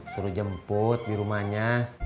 suruh jemput di rumahnya